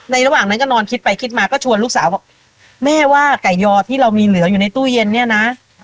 ระหว่างนั้นก็นอนคิดไปคิดมาก็ชวนลูกสาวบอกแม่ว่าไก่ยอที่เรามีเหลืออยู่ในตู้เย็นเนี่ยนะ